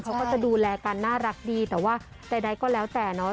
เขาก็จะดูแลกันน่ารักดีแต่ว่าใดก็แล้วแต่เนาะ